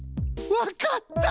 わかった！